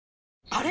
あれ？